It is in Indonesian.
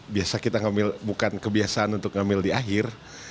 biasa kita ngamil bukan kebiasaan untuk ngamil di akhir